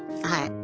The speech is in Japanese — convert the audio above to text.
はい。